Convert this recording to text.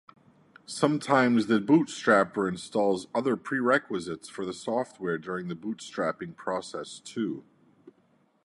Sometimes the bootstrapper installs other prerequisites for the software during the bootstrapping process too.